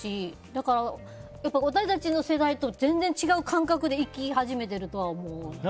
だから、私たちの世代と全然違う感覚でいき始めているとは思う。